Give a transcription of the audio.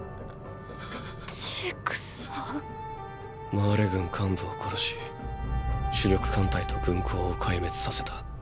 マーレ軍幹部を殺し主力艦隊と軍港を壊滅させた。